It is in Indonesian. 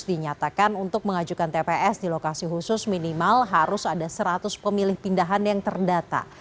dinyatakan untuk mengajukan tps di lokasi khusus minimal harus ada seratus pemilih pindahan yang terdata